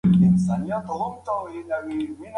درملنه د لومړي تشخیص وروسته اغېزمنه ده.